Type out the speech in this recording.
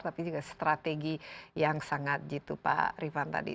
tapi juga strategi yang sangat gitu pak rifan tadi